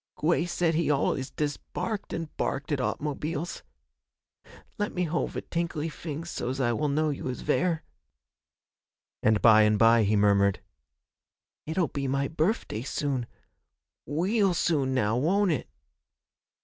'Gwey said he al'us dest barked an' barked at aut'mobiles. Let me hold ve tinkly fings so's I will know you is vere.' And by and by he murmured, 'It'll be my birfday soon weal soon now, won't it?'